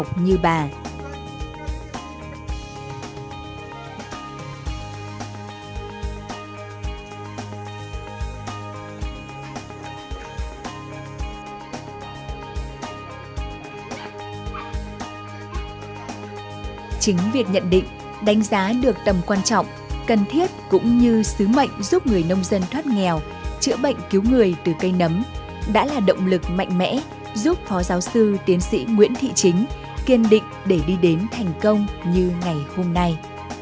chính việc nhận định đánh giá được tầm quan trọng cần thiết cũng như sứ mệnh giúp người nông dân thoát nghèo chữa bệnh cứu người từ cây nấm đã là động lực mạnh mẽ giúp phó giáo sư tiến sĩ nguyễn thị chính kiên định để đi đến thành công như ngày hôm nay